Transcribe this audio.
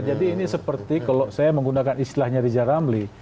jadi ini seperti kalau saya menggunakan istilahnya riza ramli